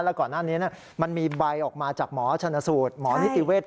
แล้วก่อนหน้านี้มันมีใบออกมาจากหมอชนสูตรหมอนิติเวศ